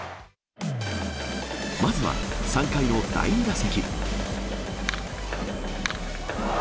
まずは３回の第２打席。